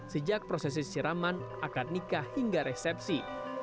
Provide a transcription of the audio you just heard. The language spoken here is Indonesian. sejak prosesi siraman akad nikah hingga resepsi